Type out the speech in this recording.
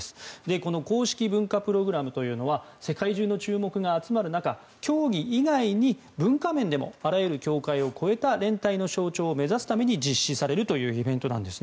この公式文化プログラムというのは世界中の注目が集まる中競技以外に文化面でもあらゆる境界を越えた連帯の象徴を目指すために実施されるというイベントなんです。